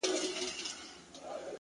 ستا د تورو سترگو اوښکي به پر پاسم ـ